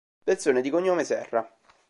Persone di cognome Serra